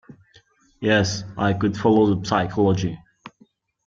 Yes, I could follow the psychology.